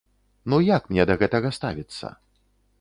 Ну як мне да гэтага ставіцца?